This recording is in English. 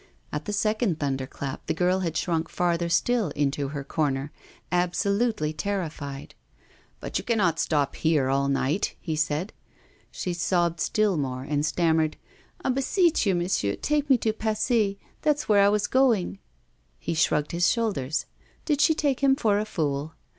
At the second thunder clap the girl had shrunk farther still into her corner, absolutely terrified. 'But you cannot stop here all night,' he said. She sobbed still more and stammered, 'I beseech you, monsieur, take me to Passy. That's where I was going.' He shrugged his shoulders. Did she take him for a fool?